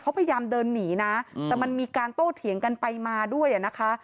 เขาพยายามเดินหนีนะแต่มันมีการโต้เถียงกันไปมาด้วยอ่ะนะคะ